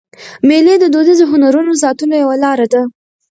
مېلې د دودیزو هنرونو د ساتلو یوه لاره ده.